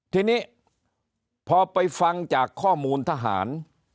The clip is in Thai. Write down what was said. ทีนี้พอไปฟังจากข้อมูลทหาร